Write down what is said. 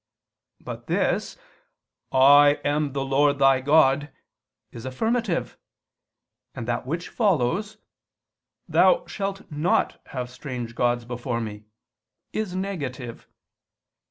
But this, "I am the Lord thy God," is affirmative: and that which follows, "Thou shalt not have strange gods before Me," is negative.